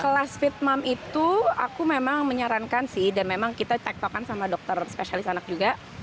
kelas fit mom itu aku memang menyarankan sih dan memang kita cek tokan sama dokter spesialis anak juga